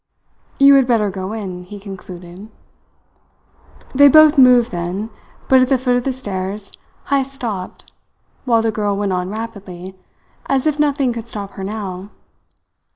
"You had better go in," he concluded. They both moved then, but at the foot of the stairs Heyst stopped, while the girl went on rapidly, as if nothing could stop her now.